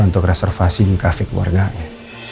untuk reservasi di kafe keluarganya